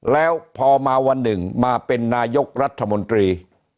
แล้วพอมาวันหนึ่งมาเป็นนายกรัฐมนตรี